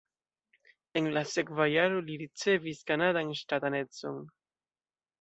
En la sekva jaro li ricevis kanadan ŝtatanecon.